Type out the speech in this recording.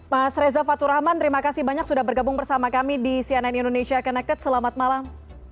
mas reza fatur rahman terima kasih banyak sudah bergabung bersama kami di cnn indonesia connected selamat malam